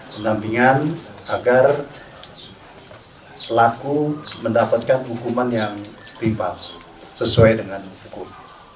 pendampingan agar pelaku mendapatkan hukuman yang setimpal sesuai dengan hukum